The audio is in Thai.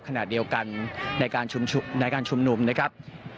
ขณะเดียวกันในการชุมนุมนะครับ